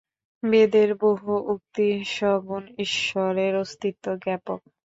বেদের বহু উক্তি সগুণ ঈশ্বরের অস্তিত্ব-জ্ঞাপক।